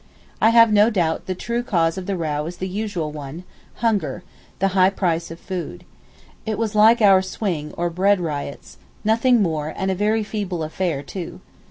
I have no doubt the true cause of the row is the usual one—hunger—the high price of food. It was like our Swing, or bread riots, nothing more and a very feeble affair too.